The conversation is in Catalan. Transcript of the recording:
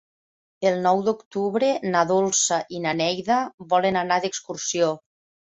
El nou d'octubre na Dolça i na Neida volen anar d'excursió.